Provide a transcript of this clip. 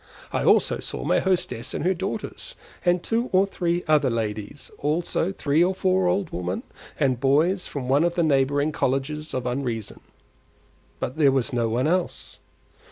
I also saw my hostess and her daughters and two or three other ladies; also three or four old women and the boys from one of the neighbouring Colleges of Unreason; but there was no one else.